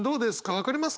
分かりますか？